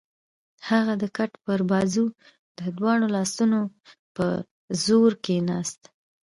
هغه د کټ پر بازو د دواړو لاسونو په زور کېناست.